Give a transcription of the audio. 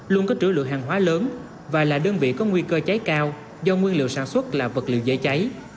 luôn có trữ lượng hàng hóa lớn và là đơn vị có nguy cơ cháy cao do nguyên liệu sản xuất là vật liệu dễ cháy